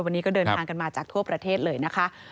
วันนี้ก็เดินทางกันมาจากทั่วประเทศเลยนะคะ